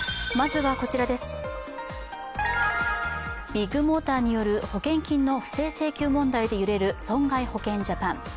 ビッグモーターによる保険金の不正請求問題で揺れる損害保険ジャパン。